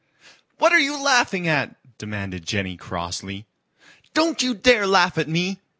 "What are you laughing at?" demanded Jenny crossly. "Don't you dare laugh at me!